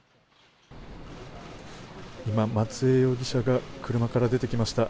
今、松江容疑者が車から出てきました。